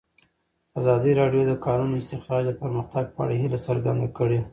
ازادي راډیو د د کانونو استخراج د پرمختګ په اړه هیله څرګنده کړې.